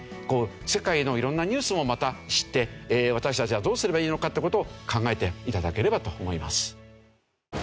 世界の色んなニュースもまた知って私たちはどうすればいいのかって事を考えて頂ければと思います。